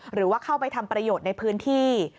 หรือว่าเข้าไปทำประโยชน์ในพื้นที่